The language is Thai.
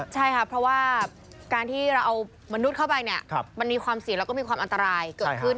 ใช่ค่ะเพราะว่าการที่เราเอามนุษย์เข้าไปเนี่ยมันมีความเสี่ยงแล้วก็มีความอันตรายเกิดขึ้น